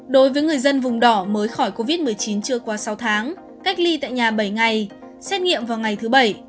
đối với người dân vùng đỏ mới khỏi covid một mươi chín chưa qua sáu tháng cách ly tại nhà bảy ngày xét nghiệm vào ngày thứ bảy